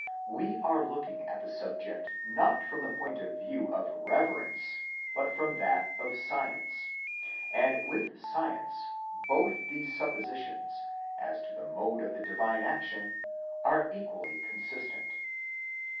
We are looking at the subject not from the point of view of reverence but from that of science ; and with science both these suppositions as to the mode of the divine action are equally consistent.